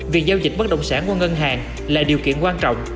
việc giao dịch bất động sản qua ngân hàng là điều kiện quan trọng